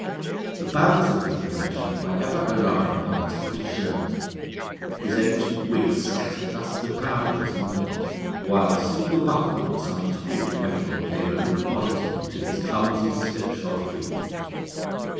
The bands of his profession were ever awry upon a tattered shirt. His ancient wig scattered dust and powder as he went, while a single buckle of some tawdry metal gave a look of oddity to his clumsy, slipshod feet.